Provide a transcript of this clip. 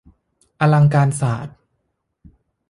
อลังการศาสตร์